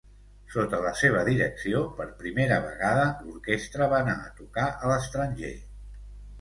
Sota la seva direcció, per primera vegada, l'orquestra va anar a tocar a l'estranger.